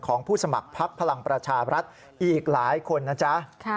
ผู้สมัครพักพลังประชาบรัฐอีกหลายคนนะจ๊ะ